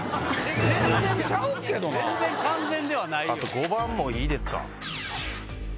５番もいいですか。